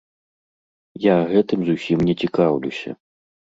Я гэтым зусім не цікаўлюся.